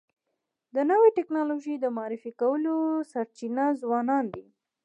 د نوې ټکنالوژی د معرفي کولو سرچینه ځوانان دي.